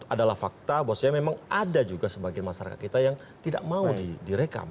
adalah fakta bahwasanya memang ada juga sebagian masyarakat kita yang tidak mau direkam